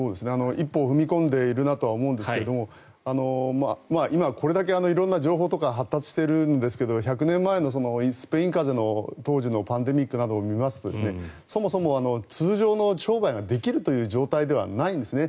一歩踏み込んでいるなとは思うんですけど今、これだけ色んな情報とか発達しているんですが１００年前のスペイン風邪の当時のパンデミックなどを見ますとそもそも通常の商売ができるという状態ではないんですね。